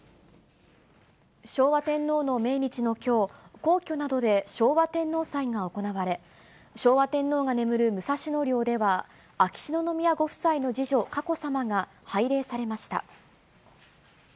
昭和天皇の命日のきょう、皇居などで昭和天皇祭が行われ、昭和天皇が眠る武蔵野陵では、秋篠宮ご夫妻の次女、佳子さまが拝礼されました。